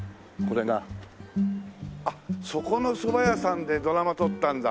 あっそこのそば屋さんでドラマ撮ったんだ。